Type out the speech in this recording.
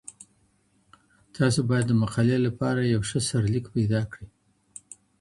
تاسو باید د مقالي لپاره یو ښه سرلیک پیدا کړئ.